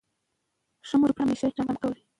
د مور او پلار احترام وکړئ.